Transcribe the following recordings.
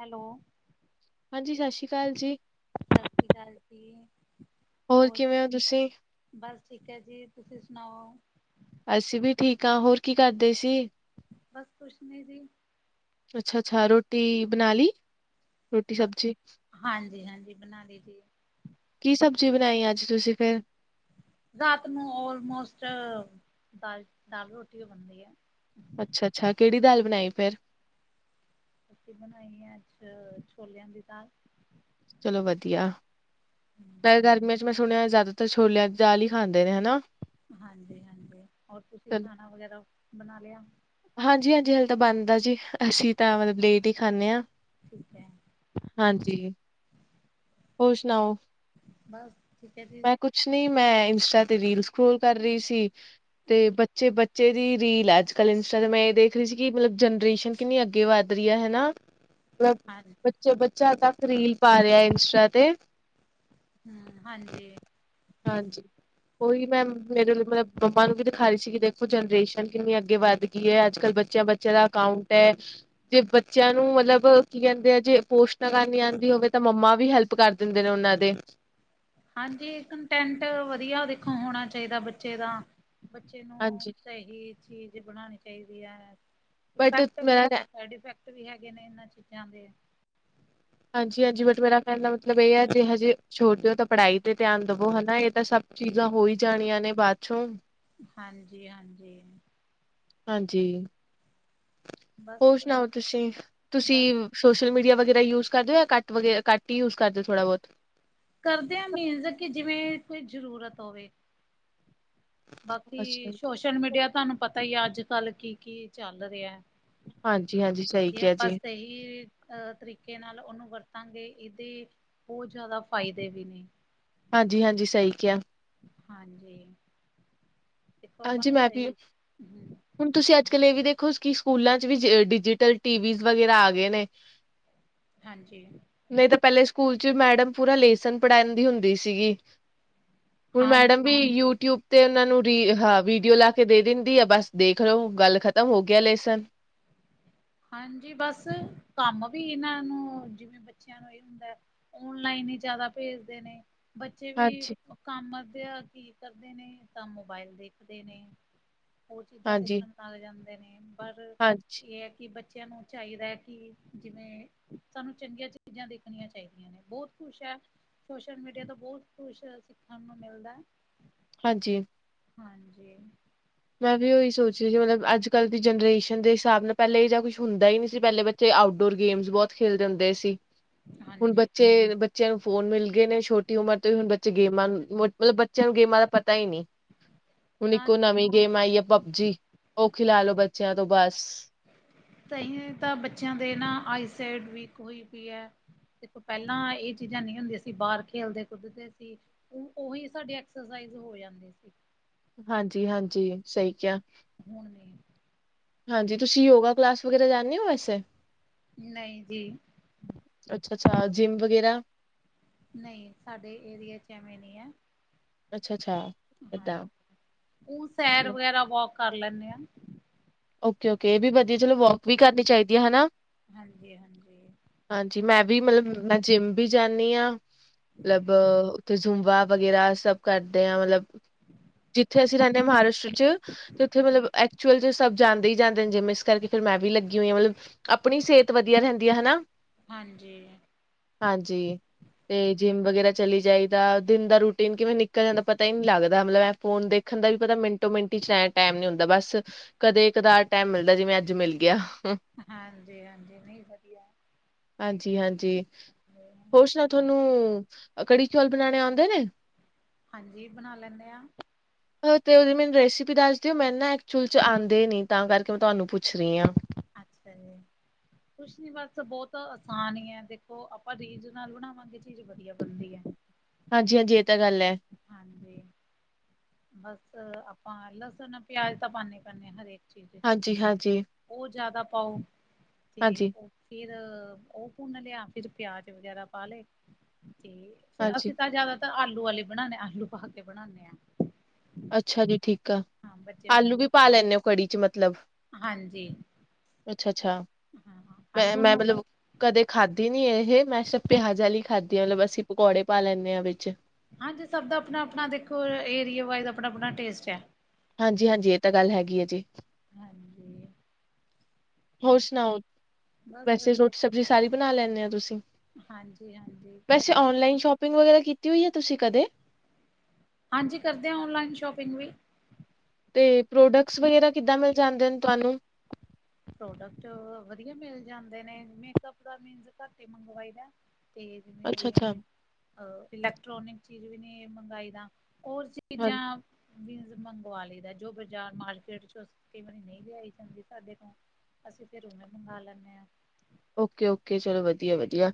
Hello. ਹਾਂਜੀ‌। ਸਸਰੀ ਕਾਲ ਜੀ। ਸਸਰੀ ਕਾਲ ਜੀ। ਹੋਰ ਕਿਵੇਂ ਓ ਤੁਸੀਂ? ਬਸ ਠੀਕ ਐ ਜੀ। ਤੁਸੀਂ ਸੁਣਾਓ? ਅਸੀਂ ਵੀ ਠੀਕ ਆਂ। ਹੋਰ ਕੀ ਕਰਦੇ ਸੀ? ਬਸ ਕੁਛ ਨੀ ਜੀ। ਅੱਛਾ-ਅੱਛਾ, ਰੋਟੀ ਬਣਾ ਲਈ। ਰੋਟੀ, ਬਸ ਸਬਜ਼ੀ ਹਾਂਜੀ-ਹਾਂਜੀ। ਬਣਾ ਲਈ ਜੀ। ਕੀ ਸਬਜ਼ੀ ਬਣਾਈ ਐ ਅੱਜ ਤੁਸੀਂ ਫੇਰ? ਰਾਤ ਨੂੰ ਆਲਮੋਸਟ ਦਾਲ-ਦਾਲ, ਰੋਟੀ ਓ ਬਣਦੀ ਐ। ਅੱਛਾ-ਅੱਛਾ‌। ਕਿਹੜੀ ਦਾਲ ਬਣਾਈ ਫੇਰ? ਅਸੀਂ ਬਣਾਈ ਐ ਅੱਜ ਛੋਲਿਆਂ ਦੀ ਦਾਲ। ਚਲੋ ਵਧੀਆ। ਵੈਸੇ ਗਰਮੀਆਂ ਚ ਮੈਂ ਸੁਣਿਆ ਜ਼ਿਆਦਾਤਰ ਛੋਲਿਆਂ ਦੀ ਦਾਲ ਈ ਖਾਂਦੇ ਨੇ ਹਨਾ। ਹਾਂਜੀ-ਹਾਂਜੀ। ਹੋਰ ਤੁਸੀਂ ਖਾਣਾ ਵਗੈਰਾ ਬਣਾ ਲਿਆ? ਹਾਂਜੀ-ਹਾਂਜੀ ਹਾਲੇ ਤਾਂ ਬਣਦਾ ਜੀ। ਅਸੀਂ ਤਾਂ ਮਤਲਬ ਲੇਟ ਈ ਖਾਂਨੇ ਆ। ਠੀਕ ਐ। ਹਾਂਜੀ। ਹੋਰ ਸੁਣਾਓ, ਬਸ ਠੀਕ ਹੈ ਜੀ, ਮੈਂ ਕੁ ਕੁਛ ਨੀ, ਮੈਂ ਇੰਸਟਾ ਤੇ ਰੀਲ ਸਕਰੋਲ ਕਰ ਰਹੀ ਸੀ ਤੇ ਬੱਚੇ ਬ ਬੱਚੇ ਦੀ ਰੀਲ ਐ ਅੱਜ ਕੱਲ ਇੰਸਟਾ ਤੇ, ਮੈਂ ਇਹ ਦੇਖ ਰਹੀ ਸੀ ਕਿ ਮਤਲਬ ਜਨਰੇਸ਼ਨ ਕਿੰਨੀ ਅੱਗੇ ਵੱਧ ਰਹੀ ਹੈ ਹਨਾ? ਮਤਲਬ ਹਾਂ, ਬੱਚਾ-ਬੱਚਾ ਤੱਕ ਰੀਲ ਪਾ ਰਿਹਾ ਏ ਇੰਸਟਾ ਤੇ। ਹੂੰ, ਹਾਂਜੀ। ਹਾਂਜੀ। ਉਹੀ ਮੈਂ ਮੇਰੇ ਲਈ ਮਤਲਬ ਮੰਮਾ ਨੂੰ ਵੀ ਦਿਖਾ ਰਹੀ ਸੀ ਕਿ ਦੇਖੋ ਜਨਰੇਸ਼ਨ ਕਿੰਨੀ ਅੱਗੇ ਵੱਧ ਗ ਗੀ ਐ। ਅੱਜ-ਕਲ ਬੱਚਿਆਂ-ਬੱਚਿਆਂ ਦਾ ਅਕਾਊਂਟ ਐ। ਜੇ ਬੱਚਿਆਂ ਨੂੰ ਮਤਲਬ ਕੀ ਕਹਿੰਦੇ ਆ ਜੇ ਪੋਸਟ ਨਾ ਕਰਨੀ ਆਂਦੀ ਹੋਵੇ ਤਾਂ ਮੰਮਾ ਵੀ ਹੈਲਪ ਲਪ ਕਰ ਦਿੰਦੇ ਨੇ ਉਹਨਾਂ ਦੇ। ਹਾਂਜੀ। ਕੰਨਟੈਂਟ ਵਧੀਆ ਦੇਖੋ ਹੋਣਾ ਚਾਹੀਦਾ ਬੱਚੇ ਦਾ, ਬੱਚੇ ਨੂੰ ਹਾਂਜੀ। ਸਹੀ ਚੀਜ਼ ਬਣਾਣੀ ਚਾਹੀਦੀ ਐ। ਬਟ ਇਫੈਕਟ ਵੀ ਮੇਰਾ ਐ, ਸਾਇਡ ਇਫੈਕ ਕਟ ਵੀ ਹੈਗੇ ਨੇ ਇਹਨਾਂ ਚੀਜ਼ਾਂ ਦੇ। ਹਾਂਜੀ-ਹਾਂਜੀ। ਬਟ ਮੇਰਾ ਕਹਿਣ ਦਾ ਮਤਲਬ ਇਹ ਹੈ ਜੇ ਹਜੇ ਛੋਟੇ ਓ ਤਾਂ ਪੜ੍ਹਾਈ ਤੇ ਧਿਆਨ ਦਵੋ, ਹਨਾ ਇਹ ਤਾਂ ਸਭ ਚੀਜ਼ਾਂ ਹੋਈ ਜਾਣੀਆਂ ਨੇ ਬਾਦ ਚੋਂ। ਹਾਂਜੀ-ਹਾਂਜੀ। ਹਾਂਜੀ,। ਹੋਰ ਬਸ ਸੁਣਾਓ ਤੁਸੀਂ? ਤੁਸੀਂ ਬਸ ਸੋਸ਼ਲ ਮੀਡੀਆ ਵਗੈਰਾ ਯੂਜ ਕਰਦੇ ਜਾਂ ਕੱਟ-ਕੱ ਹੀ ਯੂਜ ਕਰਦੇ ਥੋੜਾ ਬਹੁਤ। ਕਰਦੇ ਆਂ ਮੀਨਜ਼ ਕਿ ਜਿਵੇਂ ਕੋਈ ਜ਼ਰੂਰਤ ਹੋਵੇ। ਬਾਕੀ ਅੱਛਾ ਜੀ, ਸੋਸ਼ਲ ਮੀਡੀਆ ਤੁਹਾਨੂੰ ਪਤਾ ਹੀ ਆ ਅੱਜ-ਕਲ ਕੀ-ਕੀ ਚੱਲ ਰਿਹਾ ਏ ਹਾਂਜੀ-ਹਾਂਜੀ। ਸਹੀ ਇਹ ਕਿਹਾ ਆਪਾਂ ਜੀ। ਸਹੀ ਕੀ ਅਹ ਤਰੀਕੇ ਨਾਲ ਉਹਨੂੰ ਵਰਤਾਂਗੇ, ਇਹਦੇ ਬਹੁਤ ਜ਼ਿਆਦਾ ਫਾਇਦੇ ਵੀ ਨੇ। ਹਾਂਜੀ-ਹਾਂਜੀ। ਸਹੀ ਕਿਹਾ ਹਾਂਜੀ ਦੇਖੋ ਆਪਾਂ ਹਾਂਜੀ ਨੂੰ ਮੈਂ ਵੀ ਆ ਸਹੀ ਹਮ ਹੁਣ ਤੁਸੀਂ ਅੱਜ ਕੱਲ ਇਹ ਵੀ ਦੇਖੋ ਕਿ ਸਕੂਲਾਂ ਚ ਵੀ ਡਿਜੀਟਲ ਟੀਵਜ਼ ਵਗੈਰਾ ਆ ਗਏ ਨੇ [inaudible] ਹਾਂਜੀ ਨਹੀਂ ਤਾਂ ਪਹਿਲੇ ਸਕੂਲ ਚ ਮੈਡਮ ਪੂਰਾ ਲੇਸਨ ਪੜ੍ਹਾਣਦੀ ਹੁੰਦੀ ਸੀਗੀ ਹੁਣ ਮੈਡਮ ਹਾਂਜੀ। ਵੀ ਯੂਟਿਊਬ ਤੇ ਇਹਨਾਂ ਨੂੰ ਰੀ ਅਹ ਹਾਂ ਵੀਡੀਓ ਲਾ ਕੇ ਦੇ ਦਿੰਦੀ ਆ ਬਸ ਦੇਖ ਲੋ ਗੱਲ ਖ਼ਤਮ ਹੋ ਗਿਆ ਲੇਸਨ ਹਾਂਜੀ ਬਸ ਕੰਮ ਵੀ ਇਹਨਾਂ ਨੂੰ ਜਿਵੇਂ ਬੱਚਿਆਂ [unintelligible] ਹੁੰਦਾ ਔਨਲਾਈਨ ਹੀ ਜਿਆਦਾ ਭੇਜ਼ਦੇ ਨੇ ਬੱਚੇ ਵੀ ਹਾਂਜੀ, ਕੰਮ ਅੱਧਿਆ ਕੀ ਕਰਦੇ ਨੇ ਤਾਂ ਮੋਬਾਇਲ ਦੇਖਦੇ ਨੇ ਹੋਰ ਚੀਜ਼ਾਂ ਹਾਂਜੀ, ਦੇਖਣ [unintelligible] ਜਾਂਦੇ ਨੇ ਪਰ ਹਾਂਜੀ, ਇਹ ਕਿ ਬੱਚਿਆਂ ਨੂੰ ਚਾਹੀਦਾ ਹੈ ਕਿ ਜਿਵੇਂ ਸਾਨੂੰ ਚੰਗੀਆਂ ਚੀਜ਼ਾਂ ਦੇਖਣੀਆਂ ਚਾਹੀਦੀਆਂ ਨੇ ਬਹੁਤ ਖੁਸ਼ ਹੈ ਸੋਸ਼ਲ ਮੀਡੀਆ ਤੋਂ ਬਹੁਤ ਖੁਸ਼ ਸਿੱਖਣ ਨੂੰ ਮਿਲਦਾ ਹੈ ਹਾਂਜੀ ਹਾਂਜੀ ਮੈਂ ਵੀ ਉਹੀ ਸੋਚ ਰਹੀ ਸੀ ਮਤਲਬ ਅੱਜ ਕੱਲ੍ਹ ਦੀ ਜਨਰੇਸ਼ਨ ਦੇ ਹਿਸਾਬ ਨਾਲ ਪਹਿਲੇ ਇਹ ਜਾ ਕੁੱਛ ਹੁੰਦਾ ਹੀ ਨਹੀਂ ਸੀ ਪਹਿਲੇ ਬੱ ਤੇ ਆਊਟਡੋਰ ਗੇਮਸ ਬਹੁਤ ਖੇਲਦੇ ਹੁੰਦੇ ਸੀ ਹੁਣ ਹਾਂਜੀ ਬੱਚੇ ਬੱਚਿਆਂ ਨੂੰ ਫੋ਼ਨ ਮਿਲ ਗਏ ਨੇ ਛੋਟੀ ਉਮਰ ਤੋਂ ਵੀ ਹੁਣ ਬੱਚੇ ਗੇਮਾਂ ਨ ਮਤਲਬ ਬੱਚਿਆਂ ਨੂੰ ਗੇਮਾਂ ਦਾ ਪਤਾ ਹੀ ਨੀ ਹੁਣ ਨਾ ਇੱਕੋ ਨਵੀਂ ਗੇ਼ਮ ਆਈ ਹੈ ਪਬ ਜੀ ਉਹ ਖਿਲਾ ਲੋ ਬੱਚਿਆਂ ਤੋਂ ਬਸ ਤਾਹਿਉ ਤਾਂ ਬੱਚਿਆਂ ਦੇ ਨਾ ਆਈਸਾਈਡ ਵੀਕ ਹੋਈ ਪਈ ਹੈ ਦੇਖੋ ਪਹਿਲਾਂ ਇਹ ਚੀਜ਼ਾਂ ਨਹੀਂ ਹੁੰਦੀਆਂ ਸੀ ਬਾਹਰ ਖੇ਼ਲਦੇ ਕੁਦਦੇ ਸੀ ਉ ਉਹੀ ਸਾਡੇ ਐਕਸਰਸਾਈਜ਼ ਹੋ ਜਾਂਦੀ ਸੀ ਹਾਂਜੀ ਹਾਂਜੀ ਸਹੀ ਕਿਹਾ ਹੁਣ ਨੀ ਹਾਂਜੀ ਤੁਸੀ ਯੋਗਾ ਕਲਾਸ ਵਗੈਰਾ ਜਾਂਣੇ ਹੋ ਵੈਸੇ ਨਹੀਂ ਜੀ ਅੱਛਾ ਅੱਛਾ ਜਿੰਮ ਵਗੈਰਾ ਨਹੀਂ ਸਾਡੇ ਏਰੀਏ ਚ ਐਵੇਂ ਨਹੀਂ ਐ ਅੱਛਾ ਅੱਛਾ ਏਦਾਂ ਹਾਂਜੀ ਉਹ ਸੈਰ ਵਗੈਰਾ ਵੋਕ ਕਰ ਲੈਂਣੇ ਆ ਓਕੇ ਓਕੇ ਇਹ ਵੀ ਵਧੀਆ ਚਲੋ ਵੋਕ ਵੀ ਕਰਨੀ ਚਾਹੀਦੀ ਹੈ ਹਨਾ ਹਾਂਜੀ ਹਾਂਜੀ ਹਾਂਜੀ ਮੈਂ ਵੀ ਮਤਲਬ ਮੈਂ ਜਿੰਮ ਵੀ ਜਾਂਣੀ ਹਾਂ ਮਤਲਬ ਤੇ ਜੂੰਬਾ ਵਗੈਰਾ ਸਭ ਕਰਦੇ ਆਂ ਮਤਲਬ ਜਿੱਥੇ ਅਸੀਂ ਰਹਿੰਦੇ ਹਾਂ ਮਹਾਰਾਸ਼ਟਰ ਚ ਤੇ ਉੱਥੇ ਮਤਲਬ ਐਕਚੁਅਲ ਚ ਸਭ ਜਾਂਦੇ ਹੀ ਜਾਂਦੇ ਨੇ ਜਿਮ ਇਸ ਕਰਕੇ ਫਿਰ ਮੈਂ ਵੀ ਲੱਗੀ ਹੋਈ ਹਾਂ ਮਤਲਬ ਆਪਣੀ ਸਿਹਤ ਵਧੀਆ ਰਹਿੰਦੀ ਹੈ ਹਨਾ ਹਾਂਜੀ ਹਾਂਜੀ ਤੇ ਜਿੰਮ ਵਗੈਰਾ ਚਲੀ ਜਾਈਦਾ ਦਿਨ ਦਾ ਰੂਟੀ ਦਿਨ ਕਿਵੇਂ ਨਿਕਲ ਜਾਂਦਾ ਪਤਾ ਹੀ ਨੀ ਲਗਦਾ ਮਤਲਬ ਏਹ ਫੋ਼ਨ ਦੇਖਣ ਦਾ ਵੀ ਪਤਾ ਮਿੰਟੋ ਮਿੰਟੀ ਚ ਟੈ ਟੈਮ ਨੀ ਹੁੰਦਾ ਬਸ ਕਦੇ ਕਦਾਰ ਟੈਮ ਮਿਲਦਾ ਜਿਵੇਂ ਅੱਜ ਮਿਲ ਗਿਆ ਹਾਂਜੀ ਹਾਂਜੀ ਨਹੀਂ ਵਧੀਆ ਹਾਂਜੀ ਹਾਂਜੀ ਹੋਰ ਸੁਣਾਉ ਥੋਨੂੰ ਕੜੀ ਚੌਲ਼ ਬਣਾਉਣੇ ਆਉਂਦੇ ਨੇ ਹਾਂਜੀ ਬਣਾ ਲੈਣੇ ਆ ਹ ਤੇ ਉਦੀ ਰੈਸਿਪੀ ਦੱਸ ਦਿਓ ਨਾ ਐਕਚੁਲ 'ਚ ਆਂ ਦੇ ਨੀ ਤਾਂ ਕਰਕੇ ਮੈਂ ਤੁਹਾਨੂੰ ਪੁੱਛ ਰਈ ਆਂ। ਅੱਛਾ ਜੀ। ਕੁਛ ਨੀ ਬਸ ਬੋਤ ਆਸਾਨ ਈ ਐ ਦੇਖੋ ਆਪਾਂ ਰੀਝ ਨਾਲ ਬਣਾਵਾਂਗੇ ਚੀਜ਼ ਵਧੀਆ ਬਣਦੀ ਐ। ਹਾਂਜੀ-ਹਾਂਜੀ ਏ ਤਾਂ ਗੱਲ ਏ। ਹਾਂਜੀ ਬਸ ਆਪਾਂ ਲੱਸਣ ਪਿਆਜ ਤਾਂ ਪਾਣੇ ਈ ਪਾਣੇ ਹਰੇ ਠੀਕ ਏ ਚਲ ਹਾਂਜੀ-ਹਾਂਜੀ, ਓ ਜਾਦਾ ਪਾਉ ਠੀਕ ਐ। ਫਿਰ ਓ ਭੁੰਨ ਲਿਆ ਫਿਰ ਪਿਆਜ਼ ਵਗੈਰਾ ਪਾ ਲਏ ਤੇ ਫਿਰ ਹਾਂਜੀ-ਹਾਂਜੀ। ਅਸੀ ਤਾਂ ਜਾਦਾਤਰ ਆਲੂ ਆਲੇ ਬਣਾਣੇ ਆ ਆਲੂ ਪਾ ਕੇ ਬਣਾਣੇ ਆਂ ਅੱਛਾ ਜੀ ਠੀਕ ਆ ਆਲੂ ਵੀ ਪਾ ਲੈਂਣੇ ਓ ਕੜੀ 'ਚ ਮਤਲਬ ਹਾਂਜੀ ਅੱਛਾ-ਅੱਛਾ ਹਾਂ ਮੈਂ ਆਲੂ ਨੂੰ ਬਸ ਮਲਬ ਕਦੇ ਖਾਧੀ ਨੀ ਇਹ ਮੈਂ ਸਿਰਫ਼ ਪਿਆਜ਼ ਆਲੀ ਖਾਧੀ ਆ ਨਾਲ ਅਸੀਂ ਪਕੌੜੇ ਪਾ ਲੈਂਣੇ ਆਂ ਵਿੱਚ ਹਾਂਜੀ ਸਭ ਦਾ ਆਪਣਾ-ਆਪਣਾ ਦੇਖੋ ਏਰੀਆ ਵਾਇਜ਼ ਆਪਣਾ-ਆਪਣਾ ਟੇਸਟ ਐ। ਹਾਂਜੀ-ਹਾਂਜੀ ਏ ਤਾ ਗੱਲ ਹੈਗੀ ਹੈ ਜੀ। ਹਾਂਜੀ ਹੋਰ ਸੁਣਾਓ। ਬਸ ਵੈਸੇ ਵਧੀਆ ਰੋਟੀ ਸਬਜ਼ੀ ਸਾਰੀ ਬਣਾ ਲੈਂਣੇ ਓ ਤੁਸੀਂ ਹਾਂਜੀ-ਹਾਂਜੀ ਵੈਸੇ ਘਰੇ ਬਣਾ ਔਨਲਾਈਨ ਸੋਪਿੰਗ ਪਿੰਗ ਵਗੈਰਾ ਕੀਤੀ ਹੋਈ ਹੈ ਤੁਸੀਂ ਕਦੇ ਹਾਂਜੀ ਕਰਦੇ ਹਾਂ ਔਨਲਾਈਨ ਸ਼ੋਪਿੰਗ ਵੀ ਤੇ ਪ੍ਰੋਡੈਕਸ ਵਗੈਰਾ ਕਿੱਦਾਂ ਮਿਲ ਜਾਂਦੇ ਨੇ ਤੁਆਨੂੰ ਪ੍ਰੋਡੈਕਟ ਵਧੀਆ ਮਿਲ ਜਾਂਦੇ ਨੇ ਮੇਕਪ ਦਾ ਮੀਨਜ਼ ਘੱਟ ਈ ਮੰਗਵਾਈ ਦਾ ਤੇਜ਼ ਅੱਛਾ-ਅੱਛਾ ਇਲੈਕਟ੍ਰੋਨਿਕ ਚੀਜ਼ ਵੀ ਨਈ ਮੰਗਾਈ ਦਾ ਓ ਹਾਂ ਚੀਜ਼ਾਂ ਮੀਂਜ ਮੰਗਵਾ ਲਈ ਦਾ ਜੋ ਬਾਜ਼ਾਰ ਮਾਰਕੀਟ ਚੋ ਕਈ ਵਾਰੀ ਨਈ ਲਿਆਈ ਜਾਂਦੀ ਸਾਡੇ ਤੋਂ ਅਸੀ ਫਿਰ ਉਵੇਂ ਮੰਗਾ ਲੈਂਣੇ ਆਂ। ਓਕੇ-ਓਕੇ ਚਲੋ ਵਧੀਆ-ਵਧੀਆ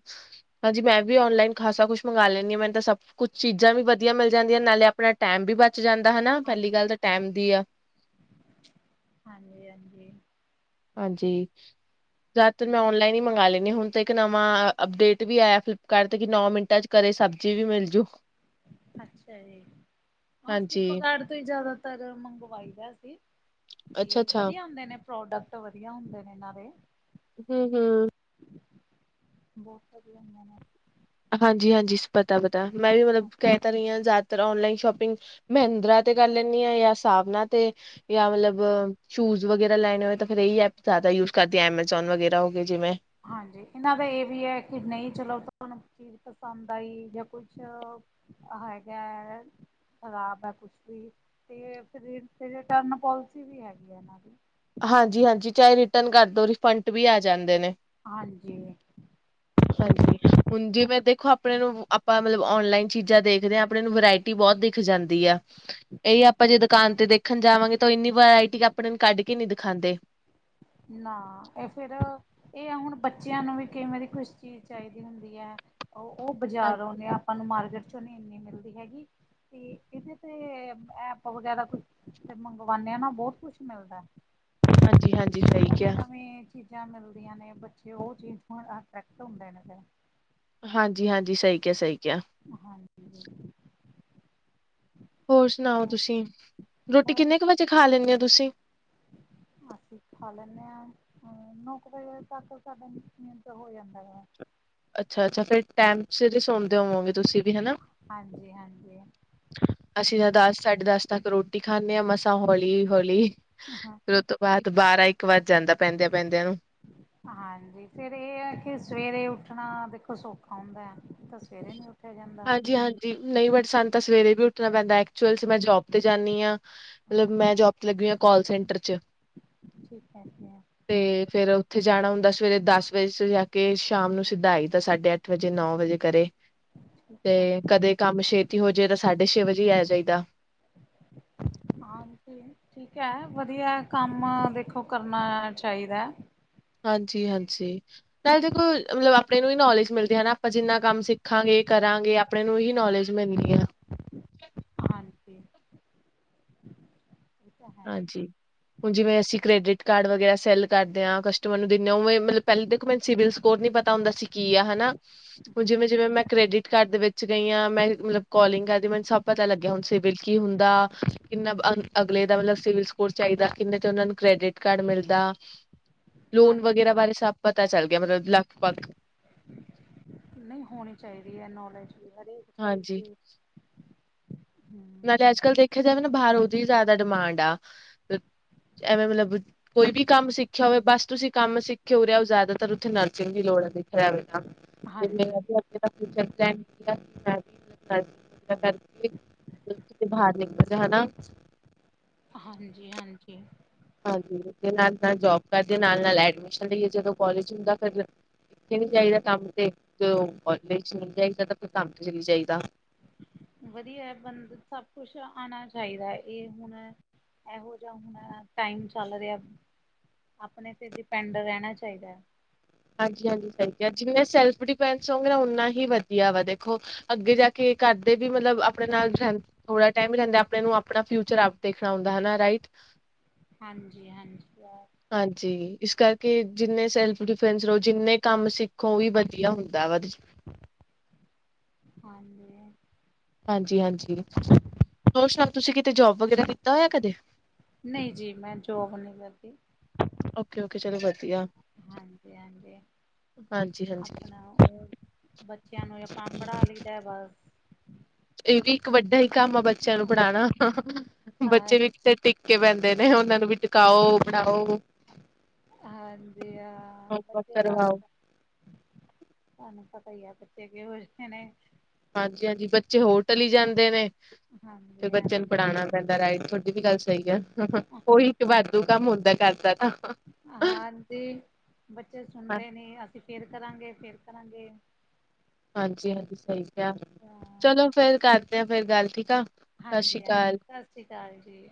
ਹਾਂਜੀ ਮੈਂ ਵੀ ਔਨਲਾਈਨ ਖਾਸਾ ਕੁਝ ਮੰਗਾ ਲੈਂਣੀ ਆਂ ਮੈਨੂੰ ਤਾਂ ਸਭ ਕੁਛ ਚੀਜ਼ਾਂ ਵੀ ਵਧੀਆ ਮਿਲ ਜਾਂਦੀਆਂ ਨੇ ਨਾਲੇ ਆਪਣਾ ਟੈਮ ਵੀ ਬਚ ਜਾਂਦਾ ਹਨਾ ਹਾਂਜੀ ਪੈਲੀ ਗੱਲ ਤਾਂ ਟੈਮ ਦੀ ਆ। ਹਾਂਜੀ-ਹਾਂਜੀ ਹਾਂਜੀ ਜਾਦਾਤਰ ਮੈਂ ਔਨਲਾਈਨ ਈ ਮੰਗਾ ਲੈਣੀ ਹੁਣ ਤਾ ਇੱਕ ਨਵਾਂ ਅੱਪਡੇਟ ਵੀ ਆਇਆ ਫਲਿੱਪਕਾਰਟ ਤੇ ਕਿ ਨੌ ਮਿੰਟਾਂ 'ਚ ਘਰੇ ਸਬਜ਼ੀ ਵੀ ਮਿਲ ਜੂ ਅੱਛਾ ਜੀ ਹਾਂ ਹਾਂਜੀ ਫਲਿੱਪਕਾਰਡ ਜਾਦਾਤਰ ਮੰਗਵਾਈ ਦਾ ਸੀ ਅੱਛਾ ਤੇ ਅੱਛਾ ਵਧੀਆ ਹੁੰਦੇ ਨੇ ਪ੍ਰੋਡੈਕਟ ਤੇ ਵਧੀਆ ਹੁੰਦੇ ਨੇ ਇਨਾਂ ਦੇ ਹੂੰ-ਹੂੰ ਬੋਤ ਵਧੀਆ ਹੁੰਦੇ ਨੇ। ਹਾਂਜੀ-ਹਾਂਜੀ ਪਤਾ-ਪਤਾ ਮੈਂ ਵੀ ਮਤਲਬ ਹਾਂ ਕੈ ਰਈ ਆਂ ਜਾਦਾਤਰ ਔਨਲਾਈਨ ਸ਼ੋਪਿੰਗ ਮਹਿੰਦਰਾ ਤੇ ਕਰ ਲੈਂਣੀ ਆਂ ਜਾਂ ਸਾਵਨਾ ਤੇ ਜਾਂ ਮਤਲਬ ਸੂਜ ਵਗੈਰਾ ਲੈਣੇ ਹੋਏ ਤਾਂ ਫਿਰ ਏ ਈ ਐਪ ਜ਼ਿਆਦਾ ਯੂਜ਼ ਕਰਦੀ ਐਮਾਜੋਨ ਵਗੈਰਾ ਹੋਗੇ ਜਿਵੇ ਹਾਂਜੀ ਇਨਾਂ ਦਾ ਏ ਵੀ ਐ ਕਿ ਨਈ ਚਲੋ ਤਾਨੂ ਚੀਜ਼ ਪਸੰਦ ਆਈ ਜਾਂ ਕੁਝ ਹੈਗਾ। ਖ਼ਰਾਬ ਐ ਕੁਛ ਵੀ 'ਤੇ ਫਿਰ ਰੀ ਫਿਰ ਰਿਟਰਨ ਪੋਲਿਸੀ ਵੀ ਹੈਗੀ ਆ ਇਨਾਂ ਦੀ। ਹਾਂਜੀ-ਹਾਂਜੀ ਚਾਏ ਰਿਟਰਨ ਕਰਦੋ ਰਿਫੰਟ ਵੀ ਆ ਜਾਂਦੇ ਨੇ। ਹਾਂਜੀ। ਹਾਂਜੀ ਹੁਣ ਜਿਵੇਂ ਦੇਖੋ ਆਪਣੇ ਨੂੰ ਆਪਾਂ ਮਤਲਬ ਔਨਲਾਈਨ ਚੀਜ਼ਾਂ ਦੇਖਦੇ ਆ ਆਪਣੇ ਵਰਾਇਟੀ ਬੋ ਦਿਖ ਜਾਂਦੀ ਆ ਏਈ ਆਪਾਂ ਜੇ ਦੁਕਾਨ 'ਤੇ ਦੇਖਣ ਜਾਵਾਂਗੇ ਤੋਂ ਇੰਨੀ ਵਰਾਇਟੀ ਆਪਣੇ ਨੂੰ ਕੱਢ ਕੇ ਨੀ ਦਿਖਾਂਦੇ। ਨਾ ਏ ਫੇਰ ਏ ਆ ਹੁਣ ਬੱਚਿਆਂ ਨੂੰ ਵੀ ਕਿਵੇਂ ਦੀ ਕੁਛ ਚੀਜ਼ ਚਾਈਦੀ ਹੁੰਦੀ ਐ। ਓ ਬਾਜ਼ਾਰੋਂ ਨੇ ਹਾਂਜੀ ਆ ਆਪਾਂ ਨੂੰ ਮਾਰਕੀਟ ਚੋਂ ਐਨੀ ਇੰਨੀ ਮਿਲਦੀ ਹੈਗੀ। 'ਤੇ ਏਦੇ ਤੇ ਐਪ ਵਗੈਰਾ ਕੁਛ ਤੇ ਮੰਗਵਾਨੇ ਆ ਨਾ ਬੋਤ ਕੁਛ ਮਿਲਦਾ ਐ। ਹਾਂਜੀ ਹਾਂ। ਨਵੀ-ਨਵੀ ਚੀਜ਼ਾਂ ਮਿਲਦੀਆਂ ਨੇ ਬੱਚੇ ਓ ਚੀਜ਼ ਨਾਲ ਅਟੈ੍ਕਟ ਹੁੰਦੇ ਨੇ ਫੇਰ। ਹਾਂਜੀ-ਹਾਂਜੀ ਸਈ ਕੇਆ, ਸਈ ਕੇਆ। ਹਾਂਜੀ। ਹੋਰ ਸੁਣਾਓ ਤੁਸੀਂ, ਰੋਟੀ ਬਸ ਕਿੰਨੇ ਕ ਵਜੇ ਖਾਂ ਲੈਂਨੇ ਓ ਤੁਸੀਂ? ਅਸੀਂ ਖਾਂ ਲੈਨੇਂ ਆ ਹੂੰ ਨੌ ਕ ਵਜੇ ਤੱਕ ਸਾਡਾ ਮਿਨਸ ਹੋ ਜਾਂਦਾ ਗਾ। ਅੱਛਾ-ਅੱਛਾ ਫੇਰ ਟਾਇਮ ਸਿਰ ਈ ਸੋਂਦੇ ਹੋਵੋਗੇ ਤੁਸੀਂ? ਵੀ ਹਨਾ ਹਾਂਜੀ-ਹਾਂਜੀ। ਅਸੀਂ ਤਾਂ ਦਸ, ਸਾਢੇ ਦਸ ਤੱਕ ਰੋਟੀ ਖਾਨੇ ਆ ਮਸਾ ਹੌਲੀ-ਹੌਲੀ ਫੇਰ ਓ ਤੋਂ ਬਾਤ ਬਾਰਾਂ-ਇੱਕ ਵੱਜ ਜਾਂਦਾ ਪੈਂਦਿਆਂ-ਪੈਂਦਿਆਂ ਨੂੰ। ਹਾਂਜੀ ਫੇਰ ਏ ਐ ਕਿ ਸਵੇਰੇ ਉੱਠਣਾ ਦੇਖੋ ਸੌਖਾ ਹੁੰਦਾ ਐ ਤਾਂ ਸਵੇਰੇ ਨੀ ਉ ਹਾਂਜੀ-ਹਾਂਜੀ ਨਈ ਬਟ ਸਾਨੂੰ ਤਾਂ ਸਵੇਰੇ ਵੀ ਉੱਠਣਾ ਪੈਂਦਾ ਐਕਚੁਅਲ 'ਚ ਮੈਂ ਜੋਬ 'ਤੇ ਜਾਂਨੀ ਆ। ਮਤਲਬ ਮੈਂ ਜੋਬ ਤੇ ਲੱਗੀ ਹੋਈ ਆ ਕਾਲ ਸੈਂਟਰ 'ਚ। ਠੀਕ ਕੈਂਤੇ ਐ। ਤੇ ਫੇਰ ਉੱਥੇ ਜਾਣਾ ਹੁੰਦਾ ਸਵੇਰੇ ਦਸ ਵਜੇ 'ਚ ਜਾ ਕੇ ਸ਼ਾਮ ਨੂੰ ਸਿੱਧਾ ਆਈ ਦਾ ਸਾਢੇ ਅੱਠ ਵਜੇ, ਨੌ ਵਜੇ ਘਰੇ। ਠੀਕ ਹੈ ਤੇ ਕਦੇ ਕੰਮ ਛੇਤੀ ਹੋਜੇ ਤਾਂ ਸਾਢੇ ਛੇ ਵਜੇ ਈ ਆਇਆ ਜਾਈਦਾ। ਹਾਂ ਜੀ ਠੀਕ ਐ ਵਧੀਆ ਕੰਮ ਦੇਖੋ ਕਰਨਾ ਚਾਈਦੈ। ਹਾਂਜੀ-ਹਾਂਜੀ ਨਾਲੇ ਦੇਖੋ ਮਤਲਬ ਆਪਣੇ ਨੂੰ ਵੀ ਨੌਲੇਜ ਮਿਲਦੀ ਹਨਾ ਆਪਾਂ ਜਿੰਨਾ ਕੰਮ ਸਿੱਖਾਂਗੇ, ਕਰਾਂਗੇ ਆਪਣੇ ਨੂੰ ਹੀ ਨੌਲੇਜ ਮਿਲਨੀ ਆ। ਹਾਂਜੀ, ਠੀਕ ਆ। ਹਾਂਜੀ ਹੁਣ ਜਿਵੇਂ ਅਸੀਂ ਕ੍ਰੈਡਿਟ ਕਾਰਡ ਵਗੈਰਾ ਸਿਲ ਕਰਦੇ ਆ, ਕਸਟਮਰ ਨੂੰ ਦਿੰਨੇ ਆ ਉਵੇਂ ਮਤਲਬ ਪੈਲ ਦੇਖੋ ਮੈਨੂੰ ਸਿਵਲ ਸਕੋਰ ਨੀ ਪਤਾ ਹੁੰਦਾ ਸੀ ਕੀ ਆ ਹਨਾ‌। ਹੁਣ ਜਿਵੇਂ-ਜਿਵੇਂ ਮੈਂ ਕ੍ਰੈਡਿਟ ਕਾਰਡ ਦੇ ਵਿੱਚ ਗਈ ਆ ਮੈਂ ਮਤਲਬ ਕੋਲਿੰਗ ਕਰਦੀ ਮੈਨੂੰ ਸਭ ਪਤਾ ਲੱਗਿਆ ਹੁਣ ਸਿਵਲ ਕੀ ਹੁੰਦਾ ਕਿੰਨਾ ਅ ਅਗਲੇ ਦਾ ਮਤਲਬ ਸਿਵਲ ਸਕੋਰ ਚਾਈਦਾ ਕਿੰਨੇ 'ਤੇ ਉਨਾਂ ਨੂੰ ਕ੍ਰੈਡਿਟ ਕਾਰਡ ਮਿਲਦਾ। ਲੋਨ ਹਾਂਜੀ ਵਗੈਰਾ ਬਾਰੇ ਸਭ ਪਤਾ ਚੱਲ ਗਿਆ ਮਤਲਬ ਲਗਭਗ। ਨਈ ਹੋਣੀ ਚਾਈਦੀ ਐ ਨੌਲੇਜ ਵੀ ਹਰੇ ਹਾਂਜੀ। ਹੂੰ। ਨਾਲੇ ਅੱਜ-ਕੱਲ ਦੇਖਿਆ ਜਾਵੇ ਨਾ ਬਾਹਰ ਉਦੀ ਜਿਆਦਾ ਡਿਮਾਂਡ ਆ ਮਤਲ ਐਵੇਂ ਮਤਲਬ ਕੋਈ ਵੀ ਕੰਮ ਸਿੱਖਿਆ ਹੋਵੇ ਬਸ ਤੁਸੀਂ ਕੰਮ ਸਿੱਖ ਕੇ ਉਰੇ ਆਉ ਜ਼ਿਆਦਾਤਰ ਉੱਥੇ ਨਰਸਿੰਗ ਦੀ ਲੋੜ ਐ ਪ੍ਰਾਈਵੇਟ ਨਾ, ਜਿੰਨੀ ਹਾਂਜੀ ਮਰਜ਼ੀ ਆ ਦੇ ਤਾਂ ਫਿਊਚਰ ਮੈਂ ਵੀ ਨਰਸਿੰਗ ਦਾ ਕਰਦੀ ਮਤਲਬ ਤੁਸੀ ਬਾਹਾਰ ਨਿਕਲ ਜੇ ਹੈਨਾ। ਹਾਂਜੀ ਹਾਂਜੀ। ਹਾਂਜੀ ਤੇ ਨਾਲ ਨਾਲ ਜੋਬ ਕਰਦੇ ਨਾਲ ਨਾਲ ਐਡਮਿਸ਼ਨ ਲਈਏ ਜਦੋ ਕੋਲੇਜ ਹੁੰਦਾ ਫੇਰ ਇਥੇ ਨੀ ਜਾਈਦਾ ਕੰਮ ਤੇ ਜਦੋ ਕੋਲੇਜ ਚਲੀ ਜਾਈਦਾ ਤਾ ਫੇਰ ਕੰਮ ਤੇ ਚਲੀ ਜਾਈਦਾ। ਵਧੀਆ ਏ ਬੰਦ ਸਭ ਕੁਛ ਆਨਾ ਚਾਈਦਾ ਐ ਐ ਹੁਨ ਐਹੋ ਜਾ ਹੁਨ ਟਾਈਮ ਚੱਲ ਰਆ। ਅਪਨੇ ਤੇ ਡੀਪੇਂਡ ਰਹਿਨਾ ਚਾਯੀਦਾ ਐ। ਹਾਂਜੀ ਹਾਂਜੀ ਸਹੀ ਕਆ ਜਿੰਨੇ ਸੈਲਫ ਡੀਫੇਂਸ ਹੋਗੇ ਨਾ ਉਨਾ ਹੀ ਵਧੀਆ ਵਾ ਦੇਖੋ ਅੱਗੇ ਜਾ ਕੇ ਘਰਦੇ ਵੀ ਮਤਲਬ ਅਪਣੇ ਨਾਲ ਰੇਂ ਥੋੜਾ ਟੈਮ ਰੈਂਦਾ ਆਪਣੇ ਨੂੰ ਆਪਣਾ ਫਿਊਚਰ ਆਪ ਦੇਖਣਾ ਹੁੰਦਾ ਹਨਾ ਰਾਇਟ। ਹਾਂਜੀ ਹਾਂਜੀ ਆ। ਹਾਂਜੀ ਇਸ ਕਰਕੇ ਜਿੰਨੇ ਸੇਲਫ ਡਿਫੈਂਸ ਫ੍ਰੀਂਸ ਰੋ ਜਿੰਨੇ ਕੰਮ ਸਿੱਖੋ ਓ ਵੀ ਵਧੀਆ ਹੁੰਦਾ ਵਾ ਇਦੇ ਚ ਹਾਂਜੀ। ਹਾਂਜੀ ਹਾਂਜੀ ਹੋਰ ਸੁਨਾਓ ਤੁਸੀ ਕਿਤੇ ਜੋਬ ਵਗੈਰਾ ਕੀਤਾ ਹੋਏਆ ਕਦੇ? ਨਈ ਜੀ ਮੈਂ ਜੋਬ ਨੀ ਕਰਦੀ। ਓਕੇ ਓਕੇ ਚਲੋ ਵਧੀਆ। ਹਾਂਜੀ ਹਾਂਜੀ ਹਾਂਜੀ-ਹਾਂਜੀ ਅਪਨਾ ਓ ਊ ਬੱਚਿਆਂ ਨੂੰ ਆਪ ਪਾ ਪੜਾ ਲਈਦਾ ਬਸ। ਐ ਵੀ ਇੱਕ ਵੱਡਾ ਈ ਕੰਮ ਆ ਬੱਚਿਆਂ ਨੂੰ ਪੜਾਨਾ ਹਾਂ ਬੱਚੇ ਵੀ ਟੀ ਟਿੱਕ ਕੇ ਬੇਂਦੇ ਨੇ ਓਨਾ ਨੂੰ ਵੀ ਟਿਕਾਓ ਪੜਾਓ। ਹਾਂਜੀ ਆ ਹੋਮਵਰਕ ਵਧੀਆ ਕਰਵਾਓ ਬਸ। ਤੁਆਨੂੰ ਪਤਾ ਈ ਆ ਬੱਚੇ ਕੇਹੋ ਜੇ ਨੇ। ਹਾਂਜੀ ਹਾਂਜੀ ਬੱਚੇ ਹੋਰਟਲ ਈ ਜਾਂਦੇ ਨੇ ਤੇ ਹਾਂਜੀ ਬੱਚੇਆ ਨੂੰ ਹਾਂਜੀ ਪੜਾਨਾ। ਦਾ ਰਾਈਟ ਧੌਡੀ ਵੀ ਗੱਲ ਸਹੀ ਐ ਓਹੀ ਤੇ ਹਾਂ ਵਾਧੂ ਕੰਮ ਹੁੰਦਾ ਘਰਦਾ ਤਾ। ਹਾਂਜੀ ਬੱਚੇ ਸੁਨਦੇ ਨੀ ਅਸੀ ਫੇਰ ਕਰਾਂਗੇ ਫੇਰ ਕਰਾਂਗੇ। ਹਾਂਜੀ ਹਾਂਜੀ ਸਹੀ ਕਆ ਹਾਂ ਚਲੋ ਫੇਰ ਕਰਦੇ ਆ ਫੇਰ ਗੱਲ ਠੀਕ ਆ। ਸਤਿ ਸ੍ਰੀ ਹਾਂਜੀ ਹਾਂਜੀ ਅਕਾਲ ਸਤਿ ਸ੍ਰੀ ਅਕਾਲ ਜੀ।